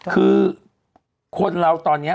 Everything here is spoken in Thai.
คือคนเราตอนนี้